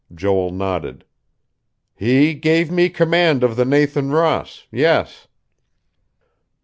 Joel nodded. "He gave me command of the Nathan Ross. Yes."